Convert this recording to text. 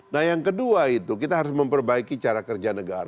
nah yang kedua itu kita harus memperbaiki cara kerja negara